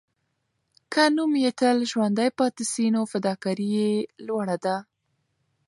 که نوم یې تل ژوندی پاتې سي، نو فداکاري یې لوړه ده.